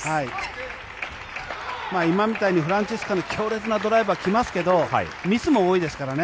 今みたいにフランツィスカの強烈なドライブは来ますけどミスも多いですからね。